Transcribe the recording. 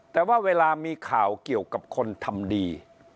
แต่ว่าเวลามีข่าวเกี่ยวกับคนทำดี